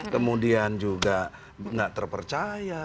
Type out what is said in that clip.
kemudian juga nggak terpercaya